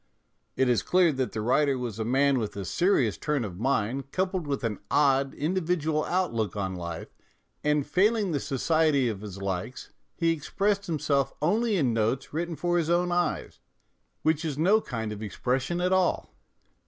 It is clear that the writer was a man with a serious turn of mind coupled with an odd, individual outlook on life, and failing the society of his likes he expressed himself only in notes written for CONVERSATIONAL MISERS 287 his own eyes, which is no kind of expression at all.